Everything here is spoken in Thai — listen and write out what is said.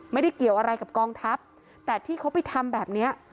ไม่ได้เกี่ยวอะไรกับกองทัพแต่ที่เขาไปทำแบบเนี้ย